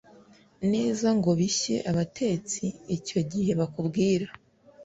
neza ngo bishye Abatetsi icyo gihe bakubwira